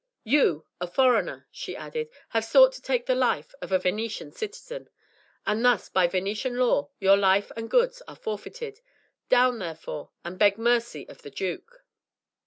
"You, a foreigner," she added, "have sought to take the life of a Venetian citizen, and thus by the Venetian law, your life and goods are forfeited. Down, therefore, and beg mercy of the duke."